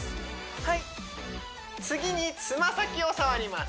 はい次に爪先を触ります